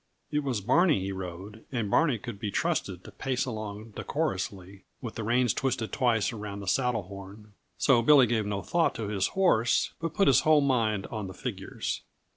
It was Barney he rode, and Barney could be trusted to pace along decorously with the reins twisted twice around the saddle horn, so Billy gave no thought to his horse but put his whole mind on the figures.